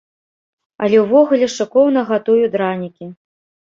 Але ўвогуле шыкоўна гатую дранікі.